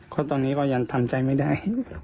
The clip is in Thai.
ก็ตอนนี้ก็ยังทำใจไม่ได้